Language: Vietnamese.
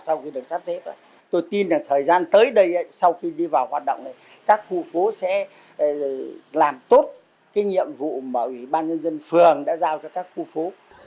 sau khi được sắp xếp tôi tin là thời gian tới đây sau khi đi vào hoạt động này các khu phố sẽ làm tốt cái nhiệm vụ mà ủy ban nhân dân phường đã giao cho các khu phố